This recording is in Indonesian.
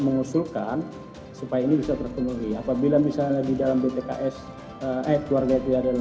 mengusulkan supaya ini bisa terkenal apabila misalnya di dalam btks eh keluarga tidak ada